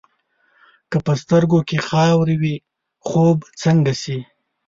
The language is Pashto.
که په سترګو کې خار وي، خوب څنګه شي؟